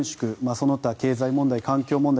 その他、経済問題、環境問題